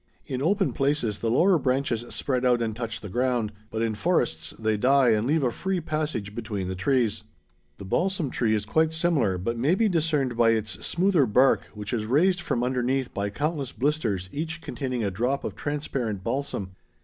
In open places the lower branches spread out and touch the ground, but in forests they die and leave a free passage between the trees. The balsam tree is quite similar but may be discerned by its smoother bark which is raised from underneath by countless blisters each containing a drop of transparent balsam.